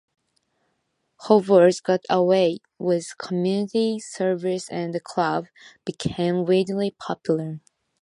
Hobart got away with community service and the club became wildly popular.